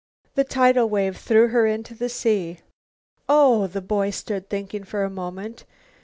The tidal wave threw her into the sea." "Oh!" The boy stood thinking for a moment.